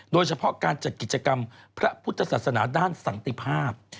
โดยเฉพาะการจัดกิจกรรมพระพุทธศาสนาด้านสันติภาพ